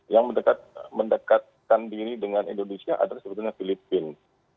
yang mendekatkan diri dengan indonesia adalah sebetulnya filipina